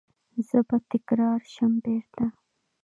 زه به تکرار شم بیرته